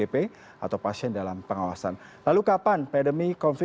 kalau kita lihat di sini perjalanannya dari tanggal dua puluh sembilan februari